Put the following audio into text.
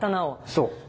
そう。